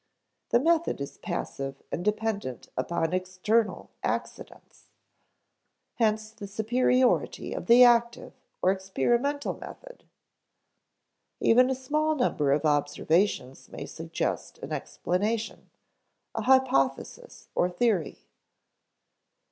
The method is passive and dependent upon external accidents. Hence the superiority of the active or experimental method. Even a small number of observations may suggest an explanation a hypothesis or theory.